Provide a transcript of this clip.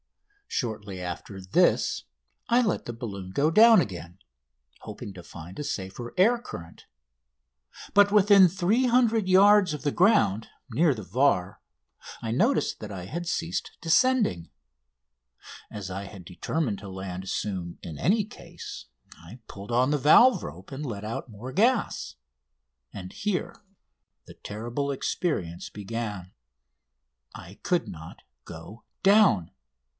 Shortly after this I let the balloon go down again, hoping to find a safe air current, but when within 300 yards of the ground, near the Var, I noticed that I had ceased descending. As I had determined to land soon in any case I pulled on the valve rope and let out more gas. And here the terrible experience began. I could not go down.